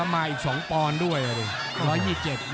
มาอีก๒ปอนด้วย